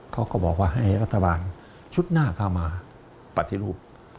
เขาก็บอกว่าให้รัฐบาลชุดหน้าเข้ามาปฏิรูป